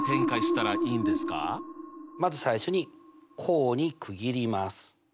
まず最初に項に区切ります。